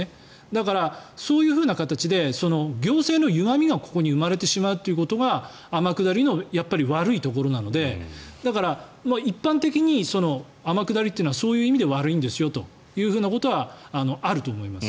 だからそういう形で行政のゆがみが、ここに生まれてしまうということが天下りの悪いところなのでだから、一般的に天下りっていうのはそういう意味で悪いんですよということはあると思います。